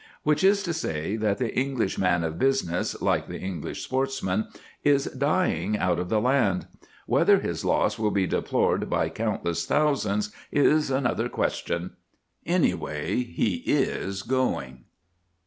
Which is to say that the English man of business, like the English sportsman, is dying out of the land. Whether his loss will be deplored by countless thousands is another question. Anyway, he is going.